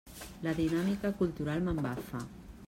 La dinàmica cultural m'embafa.